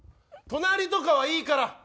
隣とかはいいから！